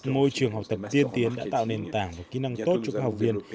môi trường học tập tiên tiến đã tạo nền tảng và kỹ năng tốt cho các học viên